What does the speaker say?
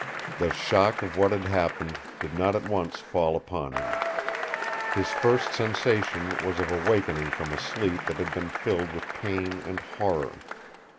The shock of what had happened did not at once fall upon him. His first sensation was of awakening from a sleep that had been filled with pain and horror.